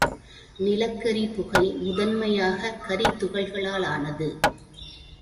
நிலக்கரிப்புகை முதன்மையாகக் கரித் துகள்களாலானது.